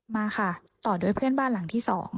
มาค่ะต่อด้วยเพื่อนบ้านหลังที่๒